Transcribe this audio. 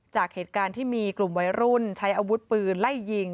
จากเหตุการณ์ที่มีกลุ่มวัยรุ่นใช้อาวุธปืนไล่ยิง